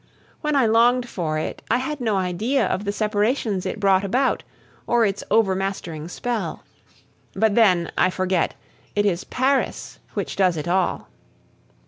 When I longed for it, I had no idea of the separations it brought about, or its overmastering spell. But, then, I forget, it is Paris which does it all.